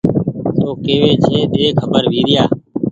تو ڪيوي ۮي کبر ويريآ